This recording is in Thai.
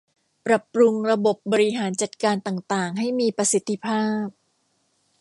ปรับปรุงระบบบริหารจัดการต่างต่างให้มีประสิทธิภาพ